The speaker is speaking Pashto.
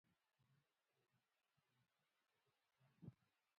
ځمکه د افغانستان د ولایاتو په کچه توپیر لري.